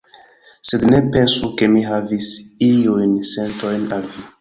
Sed ne pensu ke mi havis iujn sentojn al vi.